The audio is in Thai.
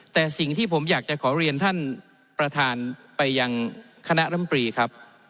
แต่สิ่งที่ผมอยากจะขอเรียนท่านประธานไปยังคณะรำปรีครับ